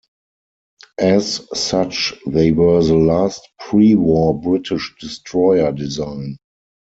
As such they were the last pre-war British destroyer design.